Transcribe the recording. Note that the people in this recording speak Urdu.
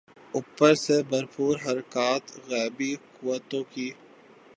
اوپر سے بھرپور حرکات غیبی قوتوں کی۔